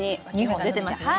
２本出てますね。